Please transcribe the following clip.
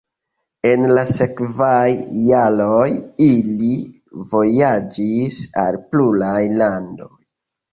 En la sekvaj jaroj ili vojaĝis al pluraj landoj.